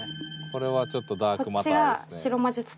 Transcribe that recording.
これはちょっとダークマターですね。